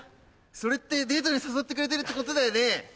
それってデートに誘ってくれてるってことだよね？